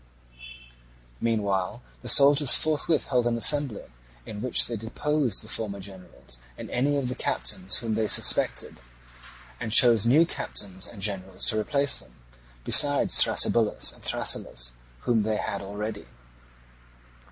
Meanwhile the soldiers forthwith held an assembly, in which they deposed the former generals and any of the captains whom they suspected, and chose new captains and generals to replace them, besides Thrasybulus and Thrasyllus, whom they had already.